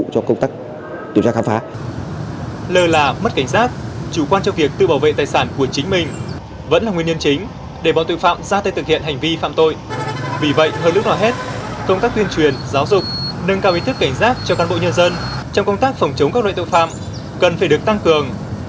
công tác giáo dục nâng cao ý thức cảnh giác cho cán bộ nhân dân trong công tác phòng chống các loại tội phạm cần phải được tăng cường